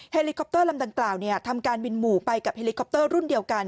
เฮลิคอปเตอร์ลำดังกล่าวทำการบินหมู่ไปกับเฮลิคอปเตอร์รุ่นเดียวกัน